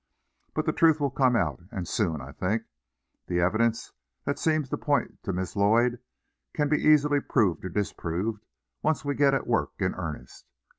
But the truth will come out, and soon, I think. The evidence that seems to point to Miss Lloyd can be easily proved or disproved, once we get at the work in earnest.